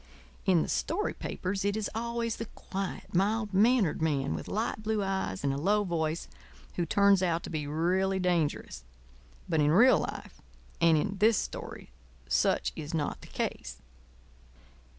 In the story papers it is always the quiet, mild mannered man with light blue eyes and a low voice who turns out to be really dangerous; but in real life and in this story such is not the case.